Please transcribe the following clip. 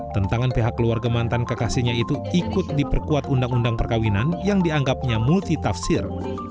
tentangan pihak keluarga mantan kekasihnya itu ikut diperkuat undang undang perkawinan yang dianggapnya multitafsir